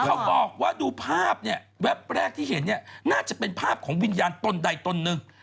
เขาบอกว่าดูภาพเนี่ยแวบแรกที่เห็นเนี่ยน่าจะเป็นภาพของวิญญาณตนใดตนหนึ่ง